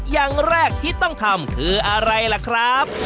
อย่างแรกที่ต้องทำคืออะไรล่ะครับ